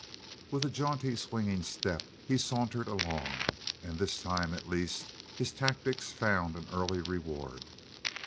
With a jaunty, swinging step he sauntered along, and this time, at least, his tactics found an early reward.